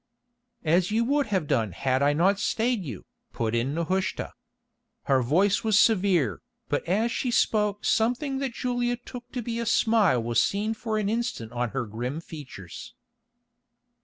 "As you would have done had I not stayed you," put in Nehushta. Her voice was severe, but as she spoke something that Julia took to be a smile was seen for an instant on her grim features.